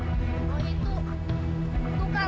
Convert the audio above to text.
tukang bomnya ada di perahu